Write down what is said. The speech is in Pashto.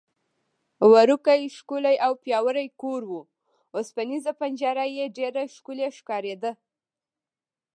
وړوکی، ښکلی او پیاوړی کور و، اوسپنېزه پنجره یې ډېره ښکلې ښکارېده.